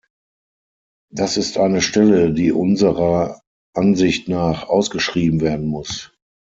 Das ist eine Stelle, die unserer Ansicht nach ausgeschrieben werden muss.